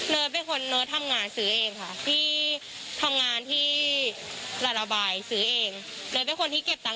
พี่เขาก็ช่วยในการทนมันก็เลยไม่เหนื่อยใช่หรือค่ะ